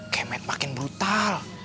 kayak met makin brutal